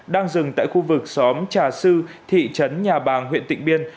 đang dừng tại khu vực xóm trà sư thị trấn nhà bàng huyện tịnh biên